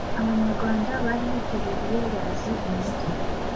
Abanyarwanda bari bitabiriye ‘bazi umujyi’